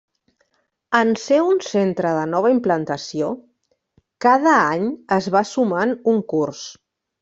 En ser un centre de nova implantació cada any es va sumant un curs.